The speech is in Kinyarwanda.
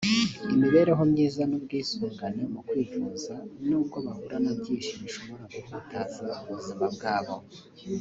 imibereho myiza n’ubwisungane mu kwivuza n’ubwo bahura na byinshi bishobora guhutaza ubuzima bwabo